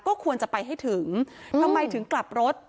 ก็ควรจะไปให้ถึงทำไมถึงกลับรถ